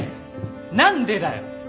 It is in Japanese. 何でだよ！？